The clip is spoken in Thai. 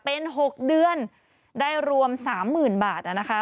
เป็น๖เดือนได้รวม๓๐๐๐บาทนะคะ